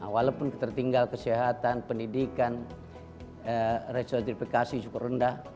walaupun tertinggal kesehatan pendidikan resertifikasi cukup rendah